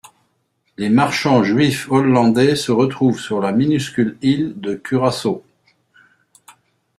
Les marchands juifs hollandais se retrouvent sur la minuscule île de Curaçao.